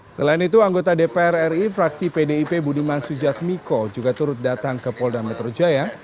selain itu anggota dpr ri fraksi pdip budiman sujatmiko juga turut datang ke polda metro jaya